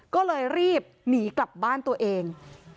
ก็เลยรีบหนีกลับบ้านตัวเอง